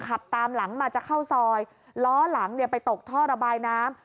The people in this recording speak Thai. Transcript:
ขับตามหลังมาจะเข้าซอยล้อหลังเนี่ยไปตกท่อระบายน้ำ